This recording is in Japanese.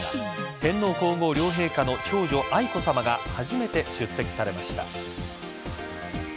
天皇皇后両陛下の長女愛子さまが初めて出席されました。